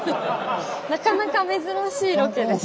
なかなか珍しいロケでしたね。